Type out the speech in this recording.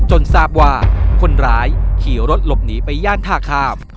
ทราบว่าคนร้ายขี่รถหลบหนีไปย่านท่าข้าม